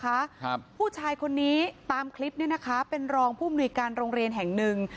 ครับผู้ชายคนนี้ตามคลิปเนี้ยนะคะเป็นรองผู้มนุยการโรงเรียนแห่งหนึ่ง